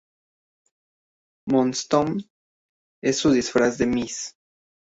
Moonstone en su disfraz de Ms.